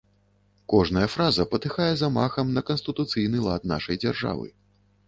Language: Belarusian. Кожная фраза патыхае замахам на канстытуцыйны лад нашай дзяржавы.